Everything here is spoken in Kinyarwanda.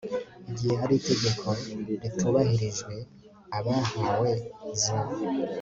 igihe hari itegeko ritubahirijwe abahawe za